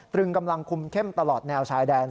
ตรึงกำลังคุมเข้มตลอดแนวชายแดน